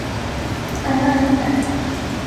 鲑鱼鲑鱼卵